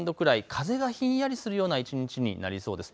風がひんやりするような一日になりそうです。